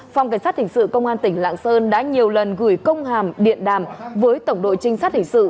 phòng cảnh sát hình sự công an tỉnh lạng sơn đã nhiều lần gửi công hàm điện đàm với tổng đội trinh sát hình sự